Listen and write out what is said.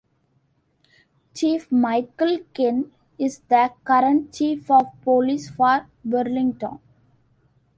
Chief Michael Kent is the current Chief of Police for Burlington.